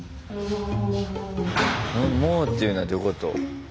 「もー」っていうのはどういうこと？